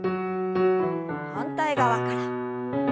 反対側から。